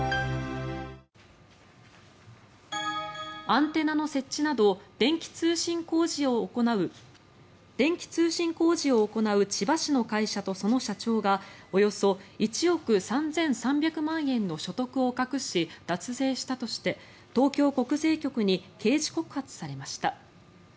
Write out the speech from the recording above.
アンテナの設置など電気通信工事を行う千葉市の会社とその社長がおよそ１億３３００万円の所得を隠し脱税したとして、東京国税局に刑事告発されました。